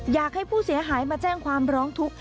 อยากให้ผู้เสียหายมาแจ้งความร้องทุกข์